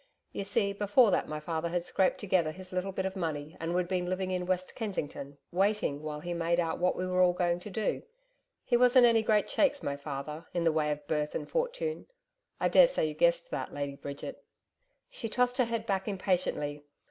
You see before that my father had scraped together his little bit of money and we'd been living in West Kensington waiting while he made out what we were all going to do. He wasn't any great shakes, my father, in the way of birth, and fortune. I daresay, you guessed that, Lady Bridget?' She tossed her head back impatiently.